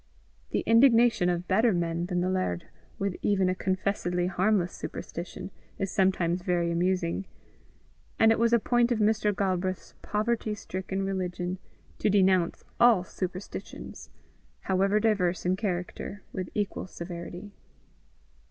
The indignation of better men than the laird with even a confessedly harmless superstition, is sometimes very amusing; and it was a point of Mr. Galbraith's poverty stricken religion to denounce all superstitions, however diverse in character, with equal severity.